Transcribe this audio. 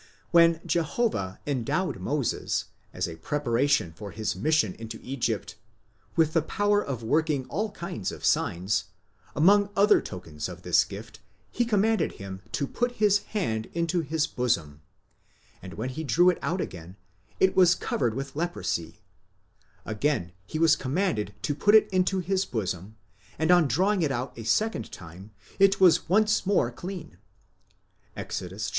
When Jehovah endowed Moses, as a preparation for his mission into Egypt, with the power of working all kinds of signs, amongst other tokens of this gift he commanded him to put his hand into his bosom, and when he drew it out again, it was covered with leprosy ; again he was commanded to put it into his bosom, and on drawing it out a second time it was once more clean (Exod iv.